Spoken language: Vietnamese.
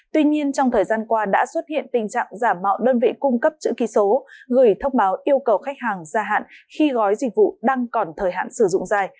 tuy nhiên trong thời gian qua đã xuất hiện tình trạng giả mạo đơn vị cung cấp chữ ký số gửi thông báo yêu cầu khách hàng ra hạn khi gói dịch vụ đang còn thời hạn sử dụng dài